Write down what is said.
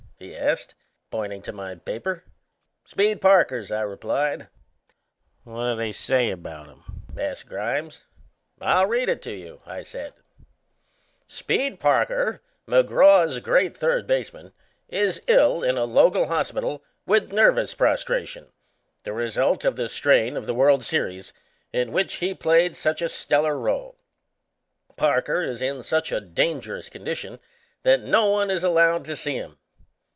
he asked, pointing to my paper. "Speed Parker's," I replied. "What do they say about him? " asked Grimes. "I'll read it to you," I said: Speed Parker, McGraw's great third baseman, is ill in a local hospital with nervous prostration, the result of the strain of the World's Series, in which he played such a stellar rôle. Parker is in such a dangerous condition that no one is allowed to see him.